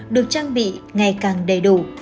được trang bị ngày càng đầy đủ